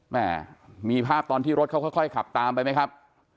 แม่มีภาพตอนที่รถเขาค่อยขับตามไปไหมครับ